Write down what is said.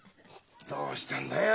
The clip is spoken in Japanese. どうしたんだよ